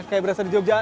kayak berasa di jogja